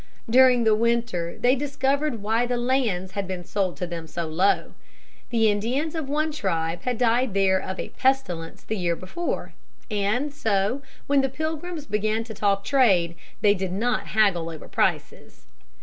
During the winter they discovered why the lands had been sold to them so low. The Indians of one tribe had died there of a pestilence the year before, and so when the Pilgrims began to talk trade they did not haggle over prices.